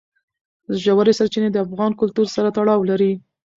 ژورې سرچینې د افغان کلتور سره تړاو لري.